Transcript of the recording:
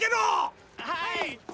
はい！